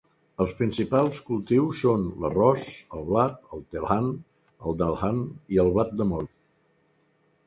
Els principals cultius són l'arròs, el blat, el 'telhan', el 'dalhan' i el blat de moro.